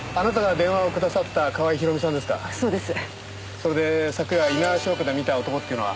それで昨夜猪苗代湖で見た男っていうのは？